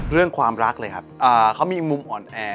เรื่องความรักเลยครับเขามีมุมอ่อนแอ